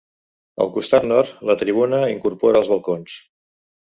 Al costat nord, la tribuna incorpora els balcons.